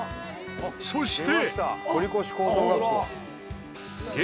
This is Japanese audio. そして。